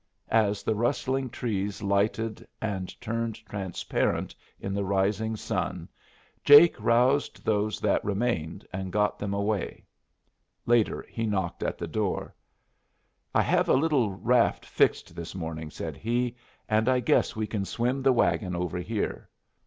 As the rustling trees lighted and turned transparent in the rising sun, Jake roused those that remained and got them away. Later he knocked at the door. "I hev a little raft fixed this morning," said he, "and I guess we can swim the wagon over here."